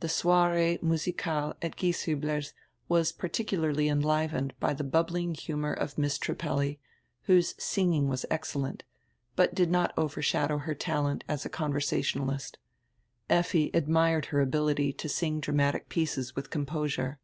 The soiree musicale at Gieshiihler's was particularly enlivened hy die huhhling humor of Miss Trippelli, whose singing was excel lent, hut did not overshadow her talent as a conversa tionalist. Effi admired her ability to sing dramatic pieces with composure.